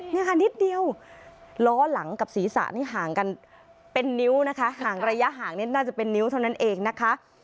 นี่ค่ะนิดเดียวล้อหลังกับศีรษะนี่ห่างกันเป็นนิ้วนะคะห่างระยะห่างนี่น่าจะเป็นนิ้วเท่านั้นเองนะคะ